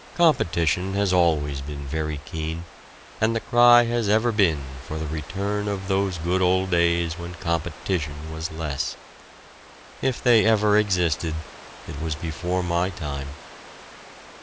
Competition has always been very keen, and the cry has ever been for the return of those good old days when competition was less. If they ever existed, it was before my time.